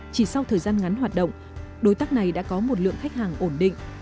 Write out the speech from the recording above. chỉ sau thời gian ngắn hoạt động đối tác này đã có một lượng khách hàng ổn định